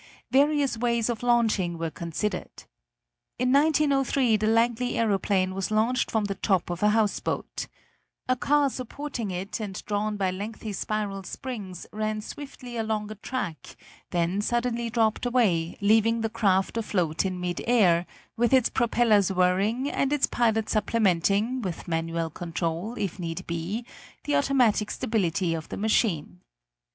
Various ways of launching were considered. In 1903 the Langley aeroplane was launched from the top of a houseboat. A car supporting it and drawn by lengthy spiral springs ran swiftly along a track, then suddenly dropped away, leaving the craft afloat in midair with its propellers whirring and its pilot supplementing, with manual control, if need be, the automatic stability of the machine.